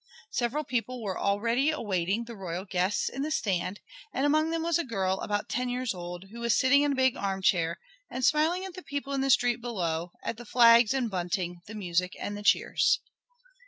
Several people were already awaiting the royal guests in the stand, and among them was a girl, about ten years old, who was sitting in a big armchair, and smiling at the people in the street below, at the flags and bunting, the music and the cheers.